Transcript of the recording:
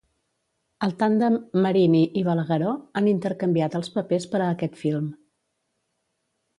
El tàndem Marini i Balagueró han intercanviat els papers per a aquest film.